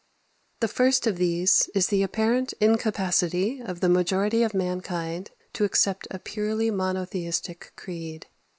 15. (i.) The first of these is the apparent incapacity of the majority of mankind to accept a purely monotheistic creed.